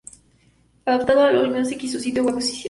Adaptado de AllMusic y su sitio web oficial.